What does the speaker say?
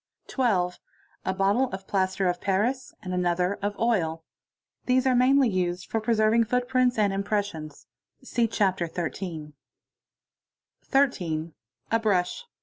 12. A bottle of plaster of paris and another of oil. These are mair of use for preserving footprints and impressions (see Chapter XII1.) — 13. A brush.